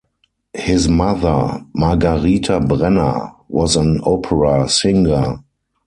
His mother, Margarita Brenner, was an Opera singer.